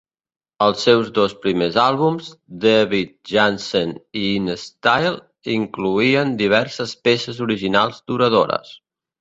Els seus dos primers àlbums, "David Johansen" i "In Style", incloïen diverses peces originals duradores.